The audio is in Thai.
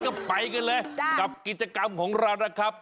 ก็ไปกันเลยกับกิจกรรมของเรานะครับ